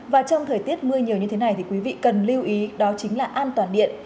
và trong thời tiết mưa nhiều như thế này thì quý vị cần lưu ý đó chính là an toàn điện